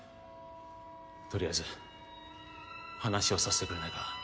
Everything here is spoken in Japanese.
とりあえず話をさせてくれないか？